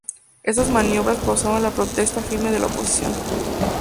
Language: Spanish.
Estas maniobras causaron la protesta firme de la oposición.